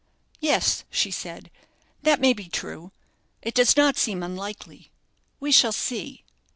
"Yes," she said, "that may be true; it does not seem unlikely; we shall see."